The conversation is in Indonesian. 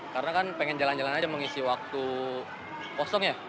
karena kan pengen jalan jalan aja mengisi waktu kosong ya